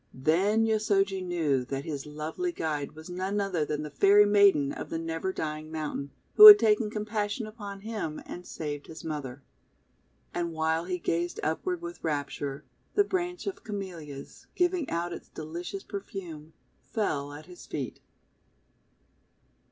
Then Yosoji knew that his lovely guide was none other than the Fairy Maiden of the "Never Dying Mountain," who had taken compassion upon him, and had saved his mother. And while he gazed upward with rapture, the branch of Camellias, giving out its delicious perfume, fell at his feet.